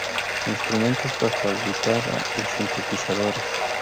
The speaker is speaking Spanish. Instrumentos: bajo, guitarra y sintetizadores.